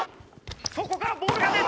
そこからボールが見えた。